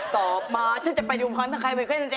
ต่อมาฉันจะไปดูของทั้งใครไม่เคยสังเจน